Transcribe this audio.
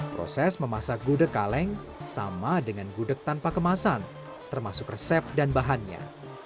proses memasak gudeg kaleng sama dengan gudeg tanpa kemasan termasuk resep dan bahannya